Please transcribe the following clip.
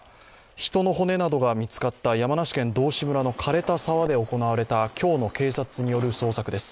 人の骨などが見つかった山梨県道志村の枯れた沢で行われた今日の警察による捜索です。